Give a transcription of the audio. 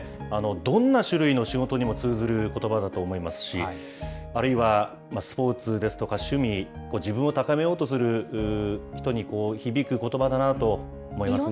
どんな種類の仕事にも通ずることばだと思いますし、あるいは、スポーツですとか、趣味、自分を高めようとする人に響くことばだなと思いますね。